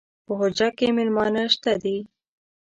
پۀ حجره کې میلمانۀ شته دي